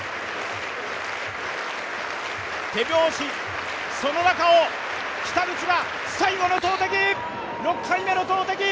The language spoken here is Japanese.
手拍子、その中を北口は最後の投てき、６回目の投てき。